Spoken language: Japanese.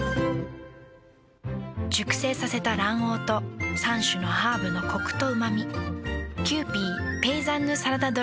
熟成させた卵黄と３種のハーブのコクとうま味。